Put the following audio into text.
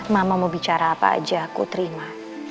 mama mau bicara apa aja ku terima